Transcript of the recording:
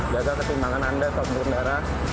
jaga kesimpangan anda saat berundara